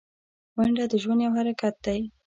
منډه د ژوند یو حرکت دی